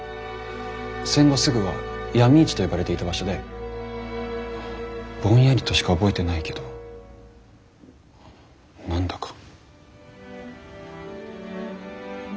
戦後すぐは闇市と呼ばれていた場所でぼんやりとしか覚えてないけど何だか。